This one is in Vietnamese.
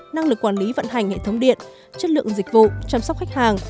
năng lực quản lý vận hành hệ thống điện chất lượng dịch vụ chăm sóc khách hàng